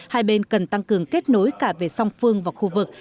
hai bên cần tăng cường kết nối cả về song phương và khu vực